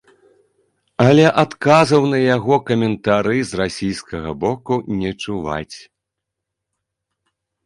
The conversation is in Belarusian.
Але адказаў на яго каментары з расійскага боку не чуваць.